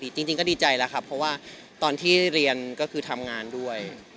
จริงก็ดีใจแล้วครับเพราะว่าตอนที่เรียนก็คือทำงานด้วย